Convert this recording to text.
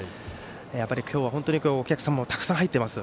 やっぱり今日は本当にお客さんもたくさん入っています。